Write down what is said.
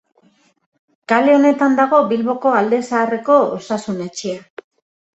Kale honetan dago Bilboko Alde Zaharreko osasun etxea.